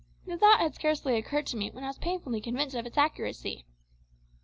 The thought had scarcely occurred to me when I was painfully convinced of its accuracy.